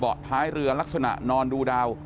ท้ายเรือลักษณะนอนดูดาว